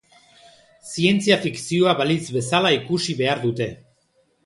Zientzia fikzioa balitz bezala ikusi behar dute.